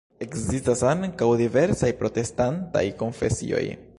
Ekzistas ankaŭ diversaj protestantaj konfesioj.